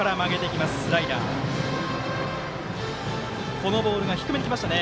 このボールが低めにきましたね。